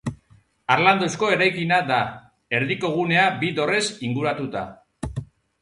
Harlanduzko eraikina da, erdiko gunea bi dorrez inguratuta.